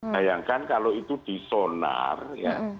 bayangkan kalau itu di sonar ya